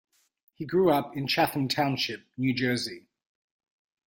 He grew up in Chatham Township, New Jersey.